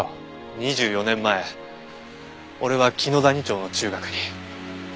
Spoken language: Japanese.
２４年前俺は紀野谷町の中学に。